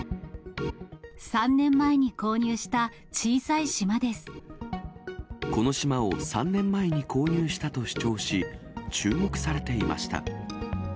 ３年前に購入した小さい島でこの島を３年前に購入したと主張し、注目されていました。